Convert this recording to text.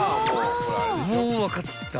［もう分かった？］